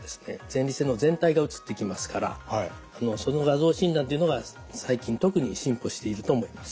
前立腺の全体が写ってきますからその画像診断っていうのが最近特に進歩していると思います。